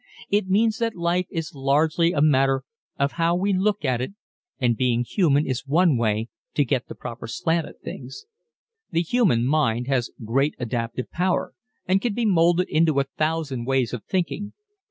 It means that life is largely a matter of how we look at it and being human is one way to get the proper slant at things. The human mind has great adaptive power and can be molded into a thousand ways of thinking.